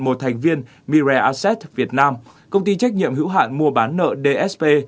một thành viên mirai assets việt nam công ty trách nhiệm hữu hạn mua bán nợ dsp